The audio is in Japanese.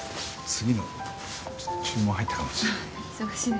次の注文入ったかもしれない。